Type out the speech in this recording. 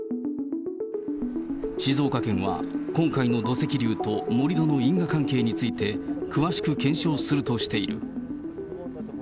静岡県は今回の土石流と盛り土の因果関係について、詳しく検証するとしている。